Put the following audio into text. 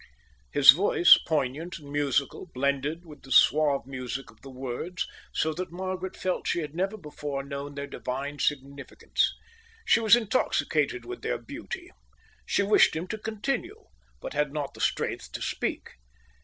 His voice, poignant and musical, blended with the suave music of the words so that Margaret felt she had never before known their divine significance. She was intoxicated with their beauty. She wished him to continue, but had not the strength to speak.